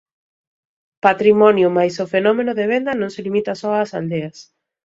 Patrimonio Mais o fenómeno de venda non se limita só a aldeas.